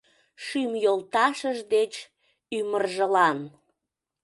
Шӱм йолташыж деч ӱмыржылан.